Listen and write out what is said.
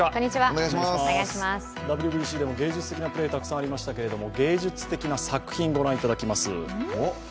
ＷＢＣでも芸術的なプレー、たくさんありましたけれども、芸術的な作品をご覧いただきます。